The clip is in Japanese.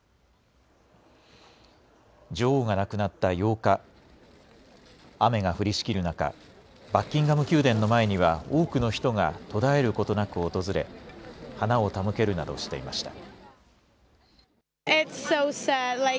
女王が亡くなった８日、雨が降りしきる中、バッキンガム宮殿の前には、多くの人が途絶えることなく訪れ、花を手向けるなどしていました。